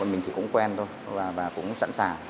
mình cũng quen thôi và cũng sẵn sàng